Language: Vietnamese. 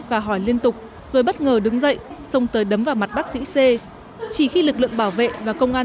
và hỏi liên tục rồi bất ngờ đứng dậy xong tới đấm vào mặt bác sĩ c chỉ khi lực lượng bảo vệ và công an